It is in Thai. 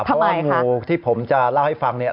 เพราะว่างูที่ผมจะเล่าให้ฟังเนี่ย